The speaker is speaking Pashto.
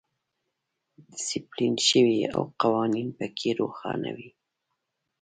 ډیسپلین شوی او قوانین پکې روښانه وي.